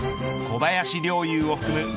小林陵侑を含む